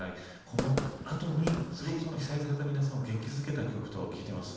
このあとにすごく被災された皆さんを元気づけた曲と聞いてます。